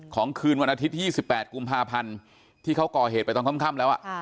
คืนวันอาทิตย์๒๘กุมภาพันธ์ที่เขาก่อเหตุไปตอนค่ำแล้ว